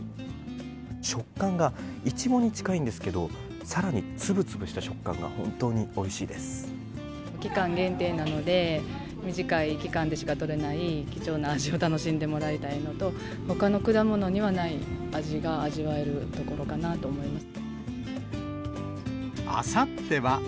食感がイチゴに近いんですけれども、さらにつぶつぶした食感が本期間限定なので、短い期間でしか取れない貴重な味を楽しんでもらいたいのと、ほかの果物にはない味が、味わえるところかなと思います。